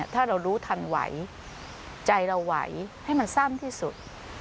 ถ้าเรารู้ทันไหวใจเราไหวให้มันสั้นที่สุด